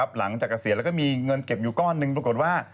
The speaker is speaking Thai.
หลังจากเกษียณมีเงินเก็บอยู่ก้อนหนึ่งปรากฏว่า